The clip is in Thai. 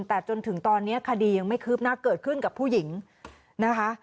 แต่จนถึงตอนนี้คดียังไม่คืบหน้าเกิดขึ้นกับผู้หญิงนะคะ